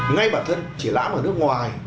ngay bản thân chỉ làm ở nước ngoài